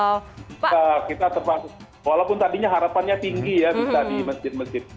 walaupun tadinya harapannya tinggi ya bisa di masjid masjid